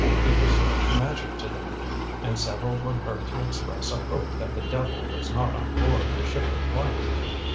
It was like magic to them, and several were heard to express a hope that the devil was not on board the ship of light.